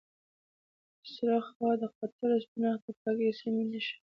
سره خوا د خطر او سپین اړخ د پاکې سیمې نښه ده.